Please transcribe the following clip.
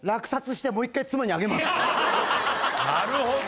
なるほど！